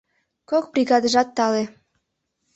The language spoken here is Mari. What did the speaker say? Кок бригадыжат тале.